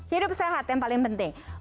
hidup sehat yang paling penting